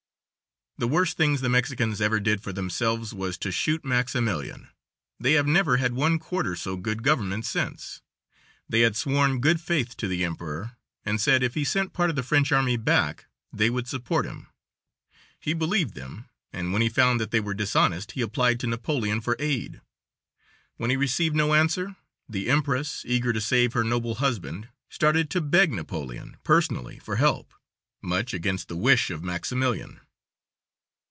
The worst things the Mexicans ever did for themselves was to shoot Maximilian. They have never had one quarter so good government since. They had sworn good faith to the emperor and said if he sent part of the French army back they would support him. He believed them, and when he found that they were dishonest he applied to Napoleon for aid. When he received no answer, the empress, eager to save her noble husband, started to beg Napoleon personally for help, much against the wish of Maximilian.